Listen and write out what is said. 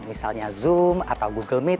misalnya zoom atau google meet